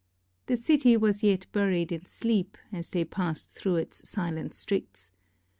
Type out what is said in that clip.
The city was yet buried in sleep, as they passed through its silent streets.